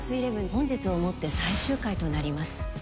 本日をもって最終回となります。